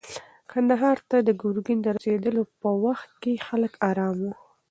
کندهار ته د ګرګین د رسېدلو په وخت کې خلک ارام وو.